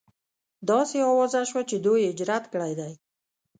داسې اوازه شوه چې دوی هجرت کړی دی.